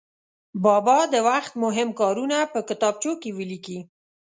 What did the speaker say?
بابا د وخت مهم کارونه په کتابچو کې ولیکي.